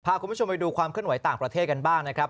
พาคุณผู้ชมไปดูความเคลื่อนไหวต่างประเทศกันบ้างนะครับ